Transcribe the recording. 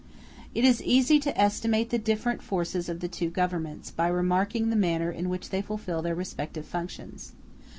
It is easy to estimate the different forces of the two governments, by remarking the manner in which they fulfil their respective functions.